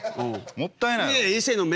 もったいないやろ。